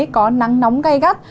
có nắng nóng gai gắt